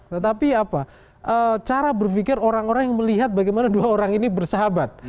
tetapi apa cara berpikir orang orang yang melihat bagaimana dua orang ini bersahabat